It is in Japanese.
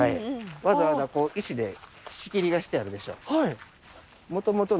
わざわざこう石で仕切りがしてあるでしょう？